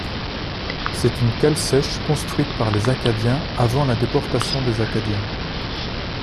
C'est une cale sèche construite par les Acadiens avant la déportation des Acadiens.